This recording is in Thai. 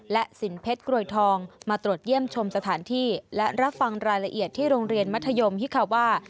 และสินเพชรกรวยทองมาตรวจเยี่ยมชมสถานที่และรับฟังรายละเอียดที่โรงเรียนมัธยมฮิคาว่า